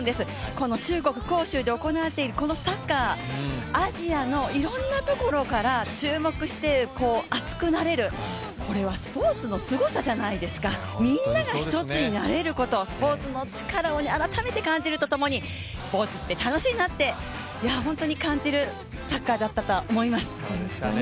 この中国・杭州で行われているこのサッカー、アジアのいろんなところから注目して熱くなれるこれはスポーツのすごさじゃないですか、みんなが一つになれること、スポーツのチカラを改めて感じるとともに、スポーツって楽しいなって感じるサッカーだったと思います。